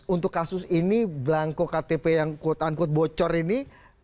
untuk kasus ini belangko ktp yang quote unquote bocor ini